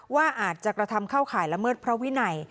ว่าอาจจะกระทำเข้าข่ายละเมิดพระวินัย